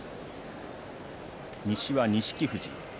西は錦富士。